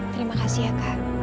terima kasih ya kak